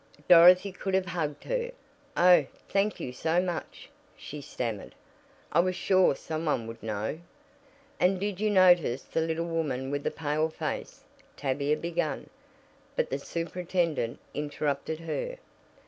Dorothy could have hugged her. "Oh, thank you so much!" she stammered. "I was sure some one would know." "And did you notice the little woman with the pale face " Tavia began, but the superintendent interrupted her.